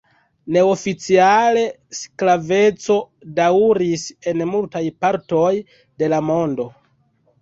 Neoficiale sklaveco daŭris en multaj partoj de la mondo.